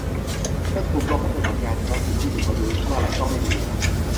จนถูกยกให้เป็นผลงานคลาสสิกที่หยิบมาดูเมื่อไรก็ไม่มีเบื่อ